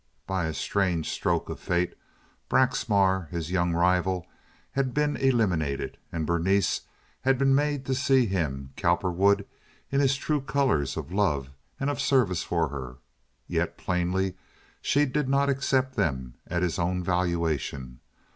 By a strange stroke of fate Braxmar, his young rival, had been eliminated, and Berenice had been made to see him, Cowperwood, in his true colors of love and of service for her. Yet plainly she did not accept them at his own valuation.